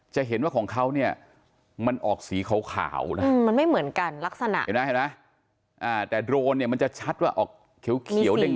จะเห็นว่าของเขาเนี่ยมันออกสีขาวนะมันไม่เหมือนกันลักษณะเห็นไหมแต่โดรนเนี่ยมันจะชัดว่าออกเขียวแดง